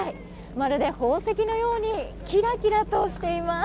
まるで宝石のようにキラキラとしています。